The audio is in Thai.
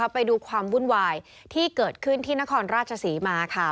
ไปดูความวุ่นวายที่เกิดขึ้นที่นครราชศรีมาค่ะ